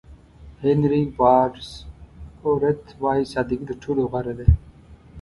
هېنري واډز اورت وایي ساده ګي تر ټولو غوره ده.